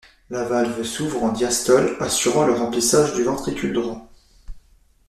La valve s'ouvre en diastole assurant le remplissage du ventricule droit.